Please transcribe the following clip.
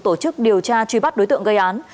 tổ chức điều tra truy bắt đối tượng gây án